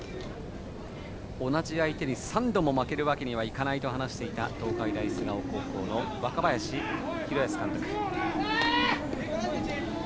同じ相手に３度も負けるわけにはいかないと話していた東海大菅生高校の若林弘泰監督。